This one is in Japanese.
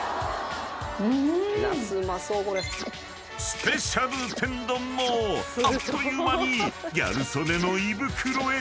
［スペシャル天丼もあっという間にギャル曽根の胃袋へ］